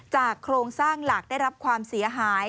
โครงสร้างหลักได้รับความเสียหาย